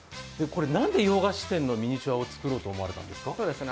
なんで洋菓子店のミニチュアを作ろうと思われたんですか？